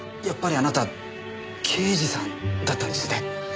やっぱりあなた刑事さんだったんですね。